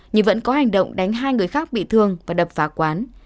nhưng vẫn có hành động đánh hai người khác bị thương và đập phá quán